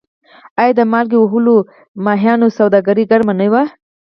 آیا د مالګې وهلو کبانو سوداګري ګرمه نه وه؟